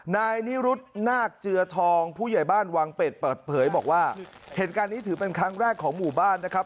นายนิรุธนาคเจือทองผู้ใหญ่บ้านวังเป็ดเปิดเผยบอกว่าเหตุการณ์นี้ถือเป็นครั้งแรกของหมู่บ้านนะครับ